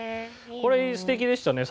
これ素敵でしたね。